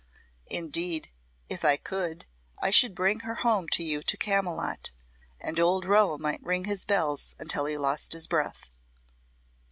"Indeed, if I could I should bring her home to you to Camylott and old Rowe might ring his bells until he lost his breath."